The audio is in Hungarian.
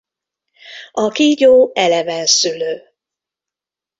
A kígyó elevenszülő.